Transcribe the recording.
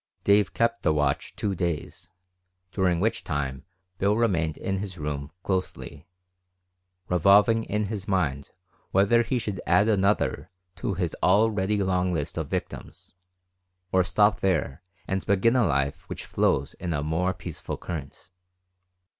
Dave kept the watch two days, during which time Bill remained in his room closely, revolving in his mind whether he should add another to his already long list of victims, or stop there and begin a life which flows in a more peaceful current.